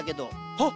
はっ！